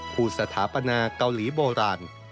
สถาปนาเกาหลีโบราณ